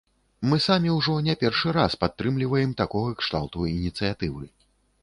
Мы самі ўжо не першы раз падтрымліваем такога кшталту ініцыятывы.